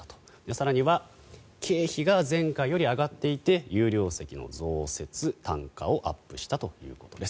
更には経費が前回より上がっていて有料席の増設、単価をアップしたということです。